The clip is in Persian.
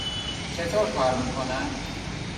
چطور کار می کند؟